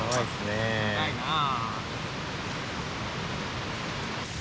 高いなあ。